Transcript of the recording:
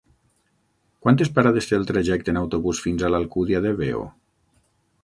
Quantes parades té el trajecte en autobús fins a l'Alcúdia de Veo?